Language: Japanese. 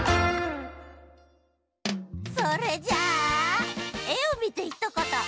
それじゃあ「えをみてひとこと」